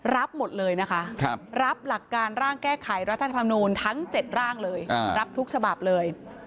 รับหมดเลยนะคะรับหลักการร่างแก้ไขรัฐธรรมนูลทั้ง๗ร่างเลยรับทุกฉบับเลย